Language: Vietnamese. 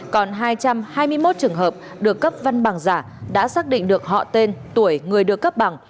còn hai trăm hai mươi một trường hợp được cấp văn bằng giả đã xác định được họ tên tuổi người được cấp bằng